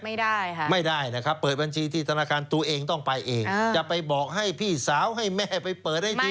ไม่ได้ค่ะไม่ได้นะครับเปิดบัญชีที่ธนาคารตัวเองต้องไปเองจะไปบอกให้พี่สาวให้แม่ไปเปิดให้ที